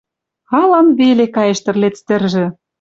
Алан веле каеш тӹрлец тӹржӹ